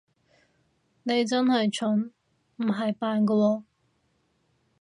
你係真蠢，唔係扮㗎喎